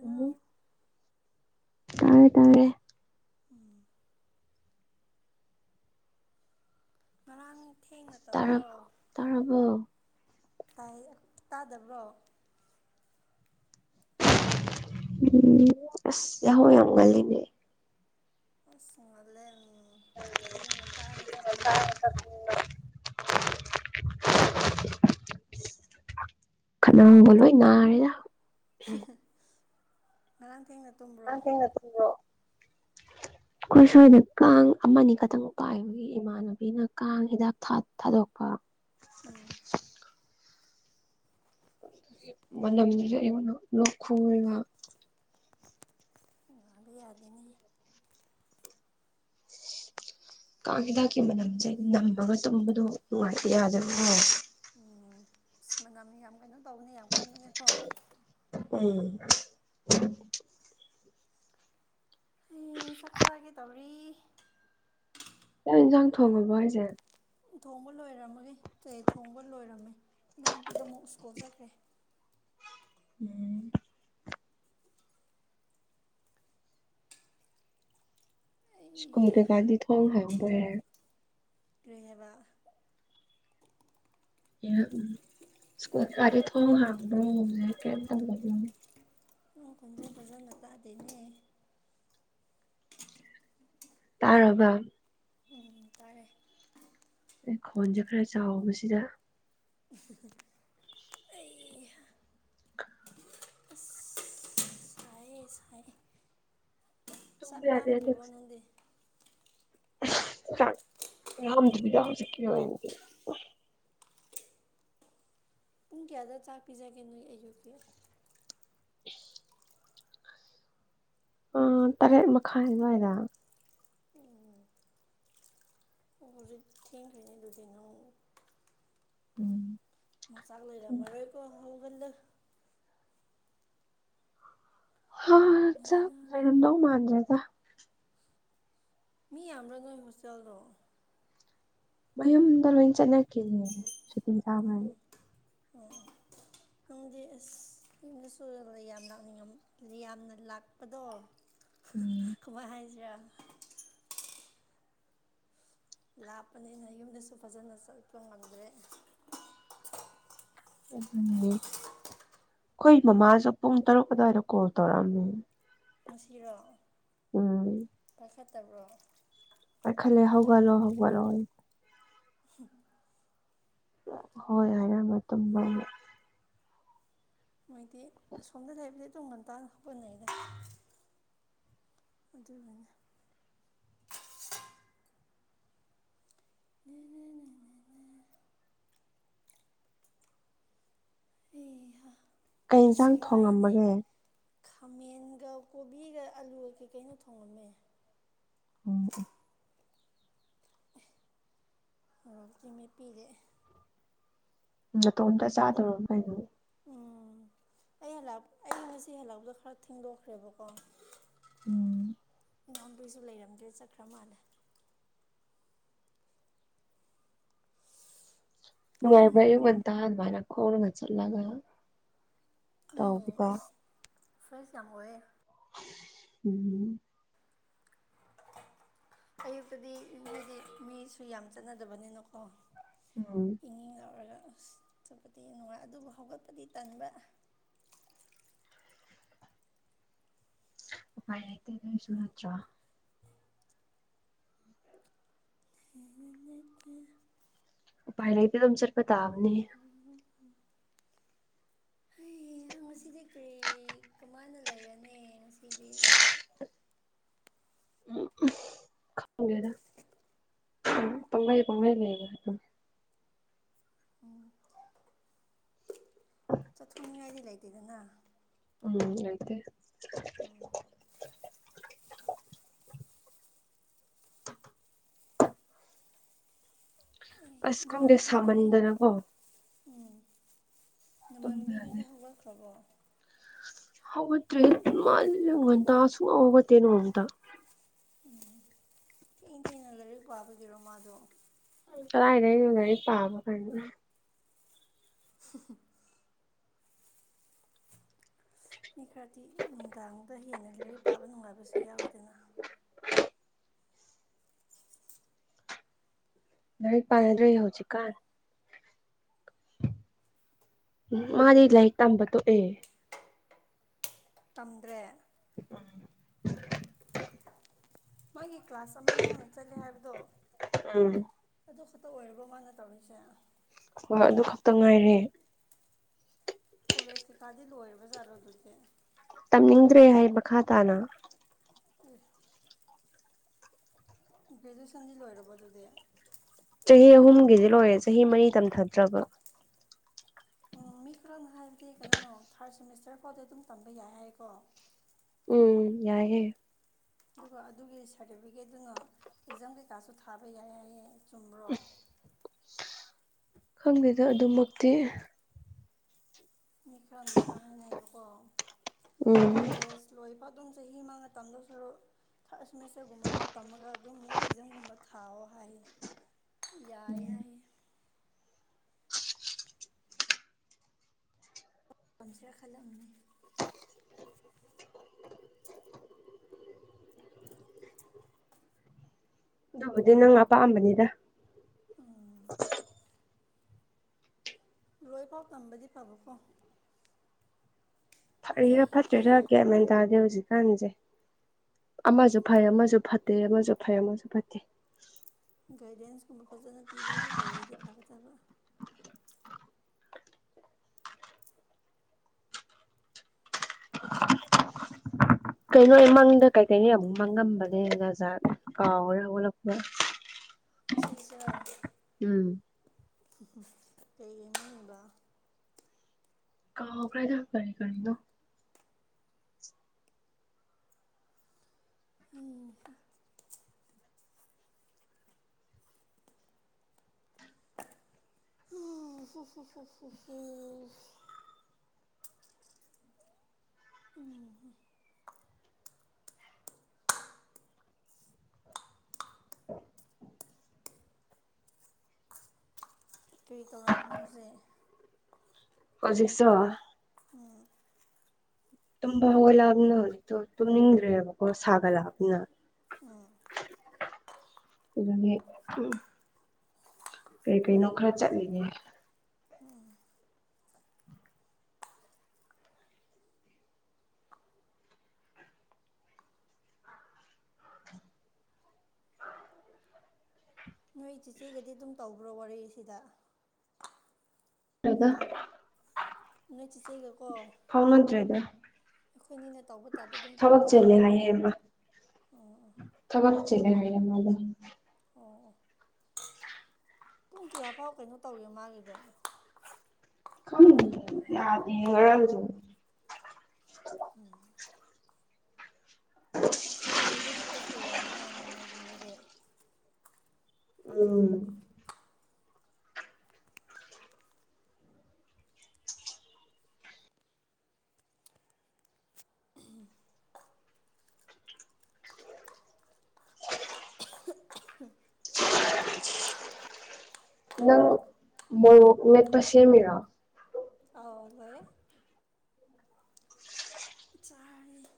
ꯎꯝ ꯇꯥꯔꯦ ꯇꯥꯒ‌ꯦ ꯎꯝ꯫ ꯉꯔꯥꯡ ꯊꯦꯡꯅ ꯇꯧꯕ꯭ꯔꯣ꯫ ꯇꯥꯔꯕ ꯇꯥꯔꯕꯣ ꯇꯥꯏ ꯇꯥꯗꯕ꯭ꯔꯣ ꯎꯝ ꯑꯁ ꯌꯥꯍꯧ ꯌꯥꯝ ꯉꯜꯂꯤꯅꯦ ꯑꯁ ꯉꯜꯂꯦ ꯎꯝ ꯑꯌꯨꯛ ꯉꯟꯇꯥꯅ ꯆꯠꯄꯅꯤꯅ ꯈꯅꯥꯎꯒ ꯂꯣꯏ ꯅꯥꯔꯦꯗ ꯉꯔꯥꯡ ꯊꯦꯡꯅ [unintelligible] ꯇꯨꯝꯕ꯭ꯔꯣ ꯑꯩꯈꯣꯏ ꯁ꯭ꯋꯥꯏꯗ ꯀꯥꯡ ꯑꯃꯅꯤ ꯈꯛꯇꯪ ꯄꯥꯏꯕ꯫ ꯑꯩꯒꯤ ꯏꯃꯥꯟꯅꯕꯤꯅ ꯀꯥꯡ ꯍꯤꯗꯥꯛ ꯊꯥ ꯊꯥꯗꯣꯛꯄ ꯎꯝ ꯃꯅꯝꯁꯤꯁꯨ ꯑꯩꯉ‌ꯣꯟꯗ ꯂꯣꯛ ꯈꯨꯏꯌ‌ꯦꯕ꯫ ꯑꯗꯨ ꯌꯥꯗꯦꯅꯦ ꯀꯥꯡ ꯍꯤꯗꯥꯛꯀꯤ ꯃꯅꯝꯖ‌ꯦ ꯅꯝꯕꯒ ꯇꯨꯝꯕꯗꯣ ꯅꯨꯡꯉꯥꯏꯇꯦ ꯌꯥꯗꯕꯀ‌ꯣ ꯎꯝ ꯑꯁ ꯃꯅꯝꯅꯤ ꯌꯥꯝ ꯀꯩꯅꯣ ꯇꯧꯕꯅ‌ꯦ ꯌꯥꯝ ꯀꯟꯕꯅꯤ ꯀꯣ ꯎꯝ꯫ ꯑꯦ ꯆꯥꯛꯆꯥꯒꯦ ꯇꯧꯔꯤ ꯆꯥꯛ ꯏꯟꯖꯥꯡ ꯊꯣꯡꯉꯕ‌ꯣ ꯍꯥꯏꯖ‌ꯦ ꯊꯣꯡꯕ ꯂꯣꯏꯔꯝꯃꯒꯦ ꯑꯦ ꯊꯣꯡꯕ ꯂꯣꯏꯔꯝꯃꯦ ꯏꯅꯥꯎꯅꯨꯄꯤꯗ‌ꯣꯃꯨꯛ ꯁ꯭ꯀꯨꯜ ꯆꯠꯈ꯭ꯔꯦ ꯎꯝ ꯑꯩ ꯁ꯭ꯀꯨꯜ ꯀꯩꯀꯥꯗꯤ ꯊꯣꯡ ꯍꯥꯡꯕꯦ ꯀꯔꯤ ꯍꯥꯏꯕ ꯎꯝ ꯁꯀꯨ꯭ꯜ ꯀꯥꯗꯤ ꯊꯣꯡ ꯍꯥꯡꯕ꯭ꯔꯣ ꯍꯧꯖꯤꯛ ꯀꯩꯝ ꯇꯧꯗꯕ꯭ꯔꯣ ꯅꯪ ꯈ‌ꯣꯟꯖꯦꯜ ꯐꯖꯅ ꯇꯥꯗꯦꯅꯦ ꯇꯥꯔꯕ ꯎꯝ ꯇꯥꯔꯦ ꯑꯩ ꯈꯣꯟꯁꯦ ꯈꯔ ꯆꯥꯎꯕꯁꯤꯗ [unintelligible] ꯑꯩ ꯍꯥ ꯏꯁ ꯍꯥꯏꯔ‌ꯦ ꯆꯥꯛ ꯇꯨꯝꯕ ꯌꯥꯗꯦ ꯂꯥꯝꯗ꯭ꯔꯤꯕꯣ ꯅꯪꯗꯤ ꯑꯁ ꯆꯥꯛ ꯂꯥꯝꯗ꯭ꯔꯤꯗ ꯍꯧꯖꯤꯛꯀꯤ ꯑꯣꯏꯅꯗꯤ ꯄꯨꯡ ꯀꯌꯥꯗ ꯆꯥꯛ ꯄꯤꯖꯒꯦ ꯅꯣꯏ ꯑꯌꯨꯛꯀꯤ꯫ [unintelligible] ꯑ ꯇꯔꯦꯠ ꯃꯈꯥꯏ ꯑꯗꯨꯋꯥꯏꯗ꯫ ꯎꯝ ꯑꯣ ꯍꯧꯖꯤꯛ ꯊꯦꯡꯈ꯭ꯔꯅꯤ ꯂꯨꯗꯤꯅ‌ꯣ ꯎꯝ ꯃꯆꯥꯛ ꯂꯩꯔꯝꯃꯔꯣꯏꯀꯣ ꯍꯧꯒꯠꯂꯣ ꯍ ꯆꯥꯛ ꯂꯩꯔꯝꯗꯧ ꯃꯥꯟꯗ꯭ꯔ‌ꯦꯗ ꯃꯤ ꯌꯥꯝꯕ꯭ꯔ‌ꯣ ꯅꯣꯏ ꯍꯣꯁꯇꯦꯜꯗꯣ ꯃꯌꯨꯝꯗ ꯂꯣꯏꯅ ꯆꯠꯅꯈꯤꯅ‌ꯦ ꯁꯨꯇꯤ ꯊꯥꯕꯩ ꯑꯣ ꯑꯣ ꯅꯪꯗꯤ ꯑꯁ ꯌꯨꯝꯗ ꯁꯨ ꯌꯥꯝ ꯂꯥꯛꯅꯤꯡꯑꯝ ꯌꯥꯝꯅ ꯂꯥꯛꯄꯗꯣ ꯎꯝ ꯀꯃꯥꯏ ꯍꯥꯏꯖꯤꯔꯥ ꯂꯥꯞꯄꯅꯤꯅ ꯌꯨꯝꯗꯁꯨ ꯐꯖꯅ ꯆꯠꯄ ꯉꯝꯗ꯭ꯔꯦ ꯑꯗꯨꯅꯦ ꯑꯩꯈꯣꯏ ꯃꯃꯥꯁꯨ ꯄꯨꯡ ꯇꯔꯨꯛ ꯑꯗ꯭ꯋꯥꯏꯗ ꯀꯣꯜ ꯇꯧꯔꯛꯑꯝꯃꯦ ꯉꯁꯤꯔꯣ ꯎꯝ ꯄꯥꯏꯈꯠꯇꯕ꯭ꯔꯣ ꯅꯣꯢꯈꯠꯂꯦ ꯍꯧꯒꯠꯂꯣ ꯍꯧꯒꯠꯂꯣꯌꯦ ꯍ [inaudible] ꯍꯣꯏ ꯍꯥꯏꯔꯝꯃ ꯇꯨꯝꯕ ꯑꯩꯅ ꯃꯣꯏꯗꯤ ꯑꯁꯣꯝꯗ ꯂꯩꯕꯁꯦ ꯇꯨꯡ ꯉꯟꯇꯥ ꯍꯧꯒꯠꯅꯩꯗ ꯑꯗꯨꯅꯅꯦ ꯅꯅꯦꯅꯦ [inaudible] ꯑꯩꯍꯥ ꯀꯩ ꯑꯁ ꯌꯦꯟꯁꯥꯡ ꯋꯥꯏꯅꯦ꯫ ꯊꯣꯡꯉꯝꯃꯒꯦ ꯈꯥꯃꯦꯟꯒ ꯀꯣꯕꯤꯒ ꯑꯂꯨꯒ ꯀꯩꯀꯩꯅꯣ ꯊꯣꯡꯉꯝꯃꯦ ꯑꯝ ꯃꯣꯔꯣꯛꯇꯤ ꯃꯦꯠꯄꯤꯔꯦ ꯎꯝ ꯅꯇꯣꯝꯇ ꯆꯥꯗꯨꯢꯔꯣ ꯀꯩꯅꯣ ꯎꯝ ꯑꯩ ꯍꯂꯛ ꯑꯩ ꯉꯁꯤ ꯍꯜꯂꯛꯄꯗꯣ ꯈꯔ ꯊꯦꯡꯗꯣꯛꯈ꯭ꯔꯦꯕꯀꯣ꯫ ꯎꯝ ꯑꯉꯥꯡꯗꯣꯏꯁꯨ ꯂꯩꯔꯝꯗ꯭ꯔꯦ ꯆꯠꯈ꯭ꯔ ꯃꯥꯜꯂꯦ ꯅꯨꯡꯉꯥꯢꯕꯔꯥ ꯑꯌꯨꯛ ꯉꯥꯟꯇꯅ ꯑꯗꯨꯃꯥꯢꯅ ꯈꯣꯡꯅ ꯆꯜꯂꯒ ꯎꯝ ꯑꯁ ꯐ꯭ꯔꯦꯁ ꯌꯥꯝ ꯑꯣꯏꯌꯦ꯫ ꯎꯝ ꯑꯌꯨꯛꯇꯗꯤ ꯅꯣꯏꯗꯤ ꯃꯤꯁꯨ ꯌꯥꯝ ꯆꯠꯅꯗꯕꯅꯤꯅꯀꯣ ꯎꯝ ꯏꯪꯢꯪ ꯂꯥꯎꯔꯒ ꯑ ꯆꯣꯠꯄꯗꯤ ꯅꯨꯡꯉꯥꯏ ꯑꯗꯨꯕꯨ ꯍꯧꯒꯠꯄꯗꯤ ꯇꯟꯕ ꯎꯄꯥꯏ ꯂꯩꯇꯦ ꯑꯗꯨꯁꯨ ꯅꯠꯇ꯭ꯔꯥ ꯁꯤꯟꯅꯀꯤ꯫ [inaudible] ꯎꯄꯥꯢ ꯂꯩꯇꯦ ꯑꯗꯨꯝ ꯆꯠꯄ ꯇꯥꯕꯅꯦ ꯅꯪ ꯉꯁꯤꯗꯤ ꯀꯔꯤ ꯀꯃꯥꯏꯅ ꯂꯩꯔꯅꯤ ꯉꯁꯤꯗꯤ ꯎꯝ ꯈꯪꯗꯦꯗ ꯎꯝ ꯄꯪꯂꯩ ꯄꯪꯂꯩ ꯂꯩ ꯑꯗꯨꯝ ꯆꯠꯊꯅꯤꯡꯉꯥꯏꯗꯤ ꯂꯩꯇꯦꯗꯅ ꯎꯝ ꯂꯩꯇꯦ ꯇꯞ [inaudible] ꯑꯁ ꯈꯪꯗꯦ ꯏꯃꯥꯟꯅꯕꯤꯗꯨꯗꯤ ꯁꯥꯃꯟꯗꯅꯀꯣ ꯎꯝ ꯇꯨꯝꯕ ꯌꯥꯗꯦ ꯅꯃꯥꯟꯅꯕꯤꯗꯨꯗꯤ ꯍꯧꯒꯠꯈ꯭ꯔꯕꯣ ꯍꯧꯒꯠꯇ꯭ꯔꯤ ꯃꯥꯜꯁꯨ [inaudible] ꯍꯇꯦꯅꯣ ꯑꯇ ꯎꯝ ꯊꯦꯡ ꯊꯦꯡꯅ ꯂꯥꯏꯔꯤꯛ ꯄꯥꯕꯒꯤꯔꯣ ꯃꯥꯗꯣ ꯀꯔꯥꯢꯗꯩꯅꯣ ꯂꯥꯢꯔꯤꯛ ꯄꯥꯕ ꯀꯥꯢꯅ [inaudible] ꯃꯤ ꯈꯔꯗꯤ ꯅꯨꯡꯗꯥꯡꯗ ꯍꯦꯟꯅ ꯂꯥꯏꯔꯤꯛ ꯄꯥꯕ ꯅꯨꯡꯉꯥꯏꯕꯁꯨ ꯌꯥꯎꯋꯤꯗꯅ꯫ ꯂꯥꯏꯔꯤꯛ ꯄꯥꯅꯗ꯭ꯔꯦ ꯍꯧꯖꯤꯛꯀꯥꯟ꯫ ꯃꯥꯗꯤ ꯂꯥꯏꯔꯤꯛ ꯇꯝꯕ ꯇꯣꯛꯑꯦ ꯇꯝꯗ꯭ꯔꯦ ꯎꯝ ꯃꯥꯒꯤ ꯀ꯭ꯂꯥꯁ ꯑꯃ ꯅꯧꯅ ꯆꯠꯂꯦ ꯍꯥꯏꯕꯗꯣ ꯎꯝ ꯑꯗꯨ ꯈꯛꯇ ꯑꯣꯏꯔꯕꯣ ꯃꯥꯅ ꯇꯧꯔꯤꯁꯦ ꯍꯣꯏ ꯑꯗꯨ ꯈꯛꯇ ꯉꯥꯏꯔꯦ ꯀꯣꯂꯦꯖ ꯀꯩꯀꯥꯗꯤ ꯂꯣꯏꯔꯕꯖꯥꯠꯔꯣ ꯑꯗꯨꯗꯤ ꯇꯝꯅꯤꯡꯗ꯭ꯔꯦ ꯍꯥꯏ ꯃꯈꯥ ꯇꯥꯅ ꯑꯦ ꯒ꯭ꯔꯦꯖꯨꯑꯦꯁꯟꯗꯤ ꯂꯣꯏꯔꯕꯣ ꯑꯗꯨꯗꯤ ꯆꯍꯤ ꯑꯍꯨꯝꯒꯤꯗꯤ ꯂꯣꯏꯔꯦ ꯆꯍꯤ ꯃꯔꯤ ꯇꯝꯊꯗ꯭ꯔꯕ ꯎꯝ ꯃꯤ ꯈꯔ ꯍꯥꯏꯕꯗꯤ ꯀꯩꯅꯣ ꯊꯥꯔꯠ ꯁꯦꯃꯤꯁꯇꯔ ꯐꯥꯎꯗ ꯑꯗꯨꯝ ꯇꯝꯕ ꯌꯥꯏ ꯍꯥꯏꯀꯣ ꯎꯝ ꯌꯥꯏꯍꯦ ꯑꯗꯨꯒ ꯑꯗꯨꯒꯤ ꯁꯥꯔꯇꯤꯐꯤꯀꯦꯠꯗꯨꯨꯅ ꯑꯦꯛꯖꯥꯝ ꯀꯩꯀꯥꯁꯨ ꯊꯥꯕ ꯌꯥꯏꯌꯦ ꯍꯥꯢꯌꯦ ꯆꯨꯝꯕ꯭ꯔꯣ ꯈꯪꯗꯦꯗ ꯑꯗꯨꯃꯛꯇꯤ ꯃꯤꯈꯔ ꯃꯤꯁꯥ ꯍꯥꯏꯕꯀꯣ ꯎꯝ ꯀꯣꯂꯦꯖ ꯂꯣꯏꯕ ꯑꯗꯨꯝ ꯆꯍꯤ ꯃꯥ ꯇꯝꯗ ꯁꯔꯨ ꯊꯥꯔꯠ ꯁꯦꯃꯤꯁꯇꯔꯒꯨꯝꯕꯐꯥꯎ ꯇꯝꯃꯒ ꯑꯗꯨꯝ ꯑꯦꯛꯖꯝꯒꯨꯝꯕ ꯊꯥꯑꯣ ꯍꯥꯏꯌꯦ ꯌꯥꯏ ꯎꯝ ꯌꯥꯏꯌꯦ꯫ ꯄꯝꯁꯔ ꯈꯜꯂꯝꯅꯤ꯫ [inaudible] ꯑꯗꯨꯕꯨꯗꯤ ꯅꯪ ꯑꯄꯥꯑꯝꯕꯅꯤꯗ ꯂꯣꯏꯐꯥꯎ ꯇꯝꯕꯗꯤ ꯐꯕꯀꯣ ꯐꯛꯏꯔꯥ ꯑꯩ ꯐꯠꯇ꯭ꯔꯤꯔꯥꯒꯦꯃꯦꯟ ꯇꯥꯗꯦ ꯍꯧꯖꯤꯛꯀꯥꯟꯁꯦ ꯑꯃꯁꯨ ꯐꯩ ꯑꯃꯁꯨ ꯐꯠꯇꯦ ꯑꯃꯁꯨ ꯐꯩ ꯑꯃꯁꯨ ꯐꯠꯇꯦ ꯒꯥꯏꯗꯦꯟꯁꯀꯨꯝꯕ ꯐꯖꯅ ꯄꯤꯕꯤꯕ ꯂꯩꯔꯗꯤ ꯐꯒꯠꯇꯕ [unintelligible] ꯀꯩꯅꯣ ꯑꯩ ꯃꯪꯗ ꯀꯩꯀꯩꯅꯤ ꯑꯃꯨꯛ ꯃꯥꯡꯉꯝꯕꯅꯦꯅꯖꯥ ꯀꯥꯎꯔꯦ ꯑꯣꯂꯛꯄ [inaudible] ꯃꯁꯤꯁꯦ ꯎꯝ ꯀꯩꯒꯤ ꯍꯥꯏꯕ [unintelligible] ꯀꯥꯎꯈ꯭ꯔꯦꯗ ꯀꯔꯤ ꯀꯔꯤꯅꯣ ꯍꯅꯤ ꯍ ꯍ ꯍ ꯍ ꯍ ꯍ [unintelligible] ꯀꯩꯀꯥꯡꯃꯤꯅ ꯍꯧꯁꯛ ꯍꯧꯖꯤꯛꯁꯨ꯫ ꯎꯝ꯫ ꯇꯨꯝꯕ ꯍꯧꯒꯠꯂꯥꯞꯅ ꯍꯧꯖꯤꯛꯇꯣ ꯇꯨꯝꯅꯤꯡꯈ꯭ꯔꯦꯕꯀꯣ ꯁꯥꯒ ꯂꯥꯞꯅ ꯏꯖꯅꯤ ꯀꯩ ꯀꯩꯅꯣ ꯈꯔ ꯆꯠꯂꯤꯅꯦ ꯅꯣꯏ ꯏ ꯆꯦꯆꯦꯒꯗꯤ ꯑꯗꯨꯝ ꯇꯧꯕ꯭ꯔꯣ ꯋꯥꯔꯤꯁꯤꯗ ꯔꯒ ꯎꯣꯏ ꯆꯤꯆꯩꯒꯀꯣ꯫ ꯐꯥꯎꯅꯗ꯭ꯔꯦꯗ ꯇꯧꯕ ꯇꯥꯏꯞꯇ ꯑꯗꯨꯝ ꯊꯕꯛ ꯇꯧꯕ꯭ꯔꯣ ꯍꯥꯏꯕ ꯆꯦꯜꯂꯦ ꯍꯥꯏꯌꯦꯦꯃ ꯎꯝ ꯎꯝ ꯊꯕꯛ ꯆꯤꯜꯂꯦ ꯍꯥꯏ ꯃꯥꯗꯣ ꯑꯣ ꯑꯣ ꯑ꯫ ꯄꯨꯡ ꯀꯌꯥꯐꯥꯎ ꯀꯩꯅꯣ ꯇꯧꯏꯦ ꯃꯥꯒꯤꯗꯣ [unintelligible] ꯎꯝ꯫ ꯍ ꯁꯟꯗꯦꯗꯗꯤ ꯑꯣꯛ ꯑꯣꯏꯔꯕꯅꯤꯅ ꯅꯣꯡꯃꯥꯏꯖꯤꯡꯗꯗꯤ ꯎꯝ ꯅꯪ ꯃꯣꯔꯣꯛ ꯅꯦꯠꯄ ꯁꯦꯝꯃꯤꯔꯣ ꯑꯥꯎ ꯍꯌꯦꯦ ꯆꯥꯔꯅꯤ꯫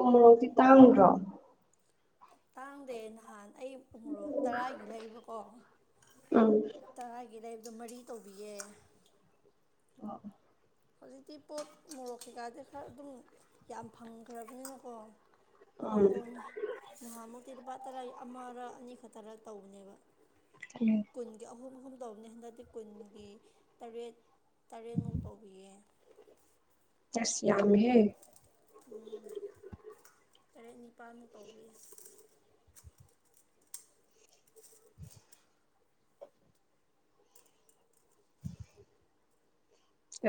ꯎꯃꯔꯣꯗꯤ ꯇꯥꯡꯗ꯭ꯔꯣ ꯇꯥꯡꯗꯦ ꯅꯍꯥꯟ ꯑꯩꯪ ꯎꯃꯣꯔꯣꯛ ꯇꯔꯥꯒꯤ ꯂꯩꯕꯀꯣ ꯎꯝ ꯇꯔꯥꯒꯤ ꯂꯩꯕꯗ ꯃꯔꯤ ꯇꯧꯕꯤꯌꯦ ꯑ꯫ ꯍꯧꯖꯤꯛꯇꯤ ꯄꯣꯠ ꯃꯣꯔꯣꯛ ꯀꯩꯀꯥꯗꯤ ꯈꯔ ꯑꯗꯨꯝ ꯌꯥꯝ ꯐꯪꯈ꯭ꯔꯕꯅꯤꯅꯀꯣ ꯈꯔ ꯎꯝ ꯍꯣꯡꯉꯦ ꯅꯍꯥꯟꯃꯨꯛꯇꯤ ꯂꯨꯄꯥ ꯇꯔꯥꯢ ꯑꯃꯔ ꯑꯅꯤ ꯈꯛꯇꯔ ꯇꯧꯕꯅꯦꯕ꯫ ꯎꯝ ꯀꯨꯟꯒꯤ ꯑꯍꯨꯝ ꯑꯍꯨꯝ ꯇꯧꯕꯅꯦ ꯍꯟꯗꯛꯇꯤ ꯀꯨꯟꯒꯤ ꯇꯔꯦꯠ ꯇꯔꯦꯠꯃꯨꯛ ꯇꯧꯕꯤꯌꯦ ꯆꯁ ꯌꯥꯝꯃꯦꯍꯦ ꯎꯝ ꯇꯔꯦꯠ ꯅꯤꯄꯥꯜꯃꯨꯛ ꯀꯧꯕꯥꯎꯤ꯫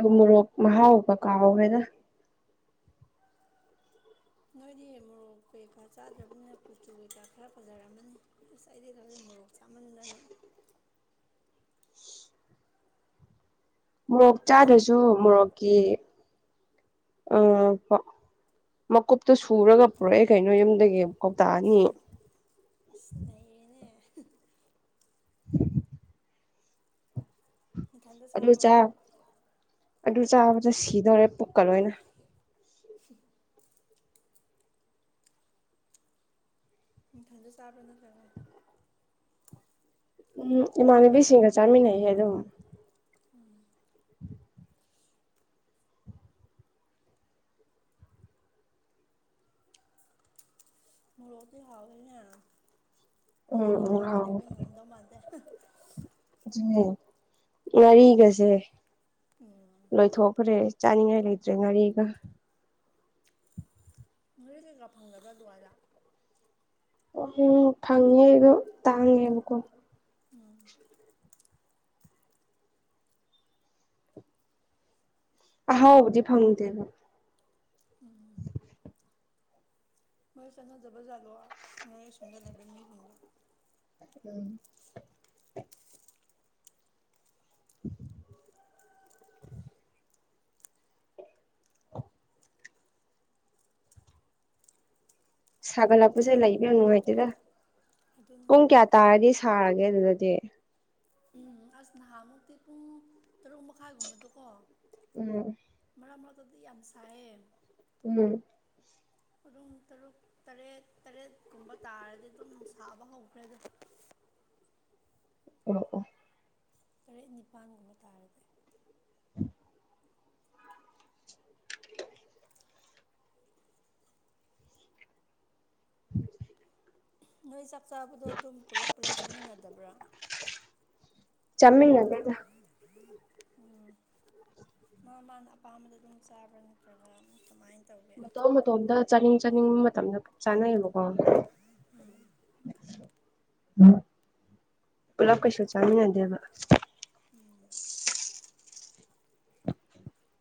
ꯎꯃꯣꯔꯣꯛ ꯃꯍꯥꯎꯒ ꯀꯥꯎꯒꯔ꯭ꯦꯗ꯫ ꯅꯣꯏꯗꯤ ꯃꯣꯔꯣꯛ ꯀꯩꯀꯥ ꯆꯥꯗ꯭ꯔꯕꯅꯤꯅ ꯀꯨꯆꯨ ꯀꯩꯀꯥ ꯈꯔ ꯐꯖꯔꯛꯝꯃꯅꯤ ꯑꯁ ꯑꯩꯗꯤ ꯊꯕꯦꯟ ꯃꯣꯔꯣꯛ ꯆꯥꯃꯟꯗꯅ ꯎꯃꯣꯔꯣꯛ ꯆꯥꯗ꯭ꯔꯁꯨ ꯃꯣꯔꯣꯛꯀꯤ ꯑ꯫ ꯃꯀꯨꯞꯇꯣ ꯁꯨꯔꯒ ꯄꯨꯔꯛꯑꯦ ꯀꯩꯅꯣ ꯌꯨꯝꯗꯒꯤ ꯃꯀꯨꯞ ꯇꯥꯛꯑꯅꯤ ꯢꯁ ꯅꯩꯌꯦꯅꯦ ꯑꯦ꯫ ꯅꯊꯟꯇ ꯑꯗꯨ ꯆꯥꯕ꯭ꯔꯣ ꯑꯗꯨ ꯆꯥꯕꯗ ꯁꯤꯗꯣꯔꯦ ꯄꯨꯛꯀ ꯂꯣꯏꯅ [unintelligible] ꯅꯨꯡꯊꯜꯗ ꯆꯥꯕ꯭ꯔꯥ ꯅꯠꯇ꯭ꯔꯒ꯫ ꯎꯝ ꯏꯃꯥꯟꯅꯕꯤꯁꯤꯡꯒ ꯆꯥꯃꯤꯟꯅꯩꯌꯦ ꯑꯗꯨꯝ ꯎꯝ ꯃꯣꯔꯣꯛꯗꯤ ꯍꯥꯎꯋꯦꯅꯦ ꯎꯝ ꯃꯣꯔꯣꯛ ꯎꯝ ꯌꯥꯎꯗ꯭ꯔꯗꯤ ꯍꯥꯎ ꯂꯩꯕꯩ ꯉꯝꯗꯧ ꯃꯥꯟꯗꯦ ꯉꯔꯤꯒꯁꯦ꯫ ꯎ꯫ ꯂꯣꯏꯊꯣꯛꯈ꯭ꯔꯦ ꯆꯥꯅꯤꯡꯉꯥꯏ ꯂꯩꯇ꯭ꯔꯦ ꯉꯥꯔꯤꯒ ꯃꯣꯔꯦ ꯀꯩꯀꯥ ꯐꯪꯗꯕ꯭ꯔꯥ ꯑꯗꯨꯋꯥꯏꯗ ꯎꯝ ꯐꯪꯉꯦꯗꯣ ꯇꯥꯡꯉꯦꯕꯀꯣ꯫ ꯎꯝ ꯑꯍꯥꯎꯕꯗꯤ ꯐꯪꯗꯦꯕ ꯎꯝ ꯃꯣꯏ ꯆꯠꯅꯖꯥꯠꯂꯣ ꯅꯣꯏ ꯁꯣꯗ ꯂꯩꯕ ꯃꯤꯁꯤꯡꯗꯣ ꯎꯝ꯫ [inaudible] ꯁꯥꯒꯠꯂꯛꯄꯁꯦ ꯂꯩꯕꯤ꯭ꯔꯣ ꯅꯨꯡꯉꯥꯏꯇꯦꯗ ꯑꯗꯨꯅꯤ ꯄꯨꯡ ꯀꯌꯥ꯫ ꯇꯥꯔꯗꯤ ꯁꯥꯔꯒꯦ ꯑꯗꯨꯗꯗꯤ ꯎꯝ ꯑꯁ ꯅꯍꯥꯟꯃꯨꯛꯇꯤ ꯄꯨꯡ ꯇꯔꯨꯛ ꯃꯈꯥꯏꯒꯨꯝꯕꯗꯣꯀꯣ ꯎꯝ꯫ ꯃꯔꯛ ꯃꯔꯛꯇꯗꯤ ꯌꯥꯝ ꯁꯥꯏꯌꯦ ꯎꯝ꯫ ꯄꯔꯨꯡ ꯇꯔꯨꯛ ꯇꯔꯦꯠ ꯇꯔꯦꯠꯀꯨꯝꯕ ꯇꯥꯔꯗꯤ ꯑꯗꯨꯝ ꯁꯥꯕ ꯍꯧꯈ꯭ꯔꯦ ꯑꯗꯣ ꯑꯣ ꯑꯣ ꯇꯔꯦꯠ ꯅꯤꯄꯥꯟꯒꯨꯝꯕ ꯇꯥꯔꯒꯦ꯫ ꯎꯝ꯫ ꯅꯣꯏ ꯆꯥꯛ ꯆꯥꯕꯗꯣ ꯑꯗꯨꯝ ꯄꯨꯜꯂꯞ ꯄꯨꯜꯂꯞ ꯆꯥꯃꯤꯟꯅꯗꯕ꯭ꯔꯥ꯫ ꯆꯃꯤꯗꯗ ꯃꯥ ꯃꯥꯅ ꯑꯄꯥꯝꯕꯗ ꯑꯗꯨꯝ ꯆꯥꯕ꯭ꯔꯥ ꯅꯠꯇ꯭ꯔꯒ ꯀꯃꯥꯏꯅ ꯇꯧꯒꯦ ꯃꯇꯣꯝ ꯃꯇꯣꯝꯗ ꯆꯥꯅꯤꯡ ꯆꯥꯅꯤꯡꯕ ꯃꯇꯝꯗ ꯆꯥꯅꯩꯌꯦꯕꯀꯣ ꯏꯝ꯫ ꯄꯨꯂꯞ ꯀꯩꯁꯨ ꯆꯥꯃꯤꯟꯅꯗꯦꯕ